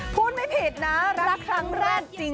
พูดไม่ผิดนะรักครั้งแรกจริง